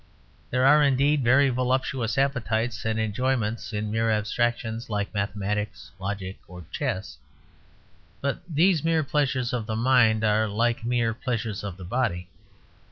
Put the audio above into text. There are indeed very voluptuous appetites and enjoyments in mere abstractions like mathematics, logic, or chess. But these mere pleasures of the mind are like mere pleasures of the body.